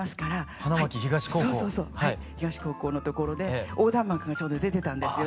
東高校のところで横断幕がちょうど出てたんですよ